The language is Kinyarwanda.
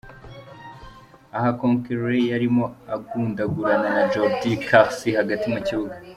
Aha Cocquelin yarimo agundagurana na Jordy Clasie hagati mu kibuga.